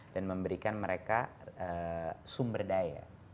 dan memberikan mereka sumber daya